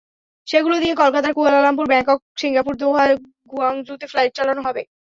সেগুলো দিয়ে Kolkata, Kuala Lumpur, Bangkok, Singapore, Doha, গুয়াংজুতে ফ্লাইট চালানো হবে।